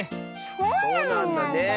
そうなんだねえ。